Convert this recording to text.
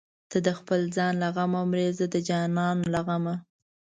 ته د خپل ځان له غمه مرې زه د جانان له غمه